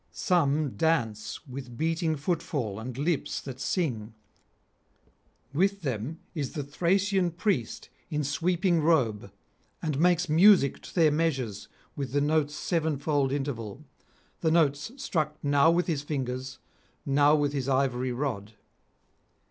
Some [644 676]dance with beating footfall and lips that sing; with them is the Thracian priest in sweeping robe, and makes music to their measures with the notes' sevenfold interval, the notes struck now with his fingers, now with his ivory rod.